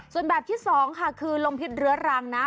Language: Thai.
ส่วนแบบที่๒ค่ะคือลมพิษเรื้อรังนะ